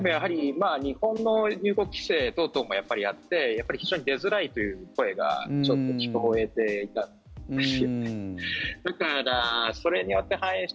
日本の入国規制等々もあって非常に出づらいという声がちょっと聞こえてたんですよね。